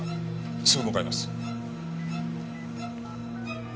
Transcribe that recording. すぐ向かいます。